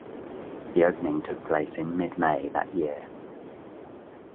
The opening took place in mid May that year.